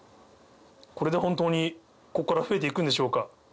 これで本当にこっから増えて行くんでしょうか？